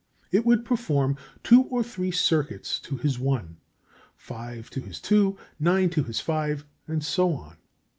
It would perform two or three circuits to his one, five to his two, nine to his five, and so on.